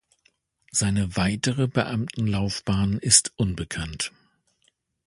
Seine weitere Beamtenlaufbahn ist unbekannt.